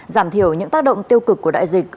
giảm thiểu những tác động tiêu cực của đại dịch